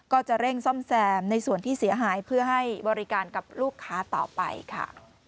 ก็จะเร่งซ่อมแซมในส่วนที่เสียหายเพื่อให้บริการกับลูกค้าต่อไปค่ะ